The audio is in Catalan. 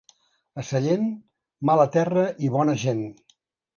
A Sallent, mala terra i bona gent.